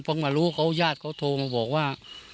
พอมารู้เขาญาติเขาโทรมาบอกว่า